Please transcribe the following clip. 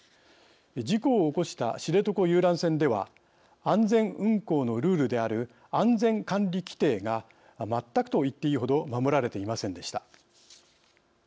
事故を起こした知床遊覧船では安全運航のルールである安全管理規程が全くといっていいほど守られていませんでした。